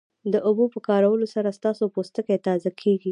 د اوبو په کارولو سره ستاسو پوستکی تازه کیږي